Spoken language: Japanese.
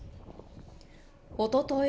おととい